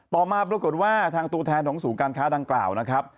ต่อมาบริกฎว่าทางตัวแทนของสู่การค้าดังกล่าวนะครับ